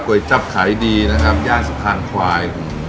ก๋วยจับขายดีนะครับทางขวาย